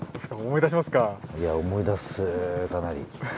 いや思い出すかなり。